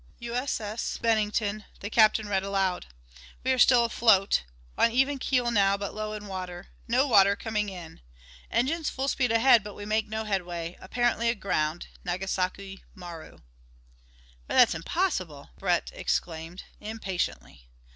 "U. S. S. Bennington," the captain read aloud. "We are still afloat. On even keel now, but low in water. No water coming in. Engines full speed ahead, but we make no headway. Apparently aground. Nagasaki Maru." "Why, that's impossible," Brent exclaimed impatiently.